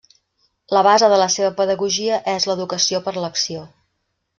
La base de la seva pedagogia és l'educació per l'acció.